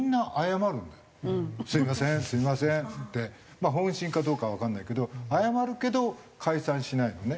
まあ本心かどうかはわからないけど謝るけど解散しないのね。